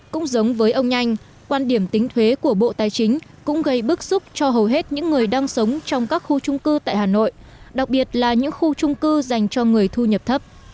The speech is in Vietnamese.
cũng giống với ông nhanh quan điểm tính thuế của bộ tài chính cũng gây bức xúc cho hầu hết những người đang sống trong các khu trung cư tại hà nội đặc biệt là những khu trung cư dành cho người thu nhập thấp